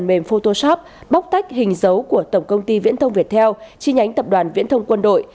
mềm photosapp bóc tách hình dấu của tổng công ty viễn thông việt theo chi nhánh tập đoàn viễn thông quân đội